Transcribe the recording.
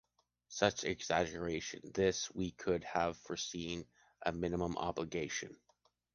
Such exaggeration! This, we could have foreseen a minimum obligation.